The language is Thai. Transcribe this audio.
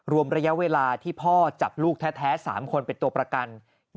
รวมระยะเวลาที่พ่อจับลูกแท้๓คนเป็นตัวประกัน